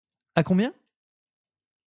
À combien?